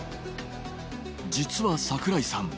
実は櫻井さん